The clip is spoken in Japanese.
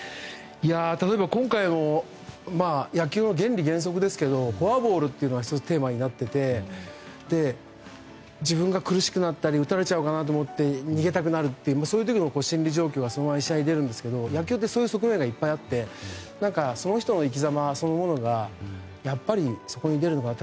例えば野球の原理原則ですがフォアボールが１つテーマになっていて自分が苦しくなったり打たれちゃうかなと思って逃げたくなるという時の心理状況が試合に出るんですが野球ってそういう側面がいっぱいあってその人の生きざまそのものがそこに出るなと。